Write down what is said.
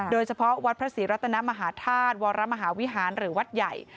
โดยเฉพาะวัดพระศรีรัตนมหาธาตุวรมหาวิหารหรือวัดใหญ่